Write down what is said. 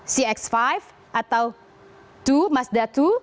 cx lima atau dua mazda dua